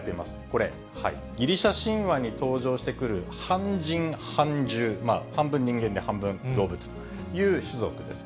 これ、ギリシャ神話に登場してくる半人半獣、半分人間で半分動物という種族です。